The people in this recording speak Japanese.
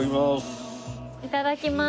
いただきます。